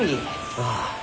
ああ。